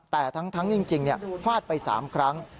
แต่ทั้งจริงฟาดไป๓ครั้ง